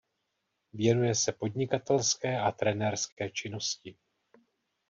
Věnuje se podnikatelské a trenérské činnosti.